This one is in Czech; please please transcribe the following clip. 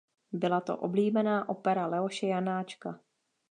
Byla to oblíbená opera Leoše Janáčka.